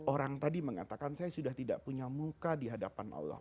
orang tadi mengatakan saya sudah tidak punya muka di hadapan allah